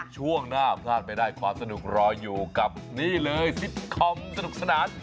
ช่วงหน้าพลาดไปได้ความสนุกรออยู่กับนี่เลยซิตคอมสนุกสนาน